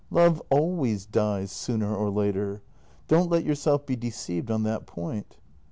Love always dies sooner or later. Don't let yourself be deceived on that point."